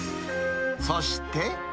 そして。